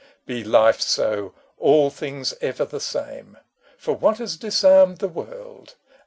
Be life so, all things ever the same ! For, what has disarmed the world